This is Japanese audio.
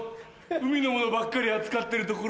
海のものばっかり扱ってる所で。